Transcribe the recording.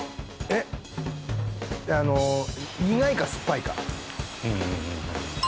あの苦いか酸っぱいかうんうん